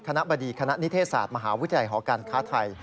บดีคณะนิเทศศาสตร์มหาวิทยาลัยหอการค้าไทย